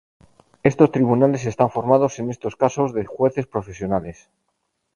Estos tribunales están formados en estos casos de jueces profesionales.